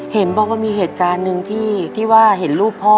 เห็นบอกว่ามีเหตุการณ์หนึ่งที่ว่าเห็นรูปพ่อ